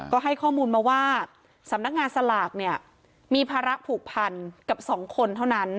ก็ให้ข้อมูลมาว่าสำนักงานสลากเนี่ยมีภาระผูกพันกับสองคนเท่านั้น